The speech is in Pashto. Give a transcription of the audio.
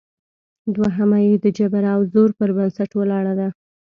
دوهمه یې د جبر او زور پر بنسټ ولاړه ده